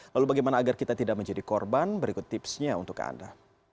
lalu bagaimana agar kita tidak menjadi korban berikut tipsnya untuk anda